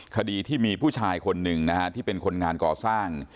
คดีที่มีผู้ชายคนหนึ่งนะฮะที่เป็นคนงานก่อสร้าง